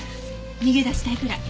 逃げ出したいくらい。